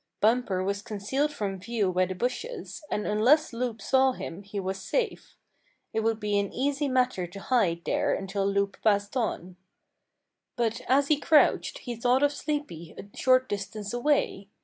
Bumper was concealed from view by the bushes, and unless Loup saw him he was safe. It would be an easy matter to hide there until Loup passed on. But as he crouched he thought of Sleepy a short distance away.